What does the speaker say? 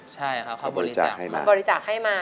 ใช่ครับเขาบริจาคให้มา